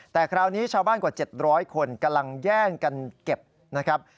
แต่คราวนี้ชาวบ้านกว่า๗๐๐คนกำลังแย่งกันเก็บนะครับ